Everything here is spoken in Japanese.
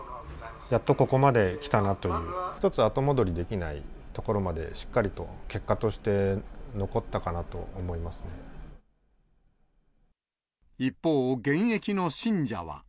やっとここまできたなという、一つ、後戻りできないところまでしっかりと結果として残ったかなと思い一方、現役の信者は。